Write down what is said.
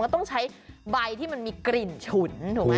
ต้องใช้ใบที่มันมีกลิ่นฉุนถูกไหม